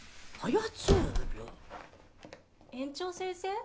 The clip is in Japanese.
園長先生？